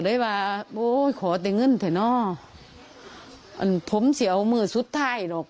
เลยว่าโอ้ยขอแต่เงินเถอะเนอะมันผมเสียวมือสุดท้ายหรอก